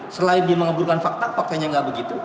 selain dia mengeburkan fakta faktanya nggak begitu